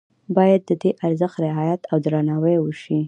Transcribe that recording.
باید د دې ارزښت رعایت او درناوی وشي.